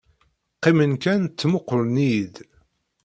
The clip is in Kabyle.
Qqimen kan ttmuqqulen-iyi-d.